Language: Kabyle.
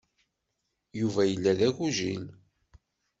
Yuba yella d agujil.